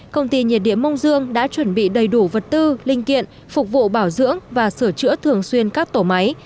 công ty nhiệt điện mông dương đã chuẩn bị đầy đủ vật tư linh kiện phục vụ bảo dưỡng và sửa chữa thường xuyên các tổ máy